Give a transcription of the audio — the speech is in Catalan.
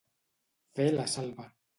Fer la salva.